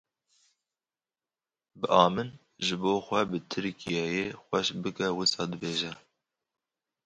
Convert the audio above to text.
Bi a min ji bo xwe bi Tirkîyeyê xweş bike wisa dibêje